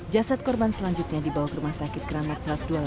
jasad korban selanjutnya dibawa ke rumah sakit keramat satu ratus dua puluh delapan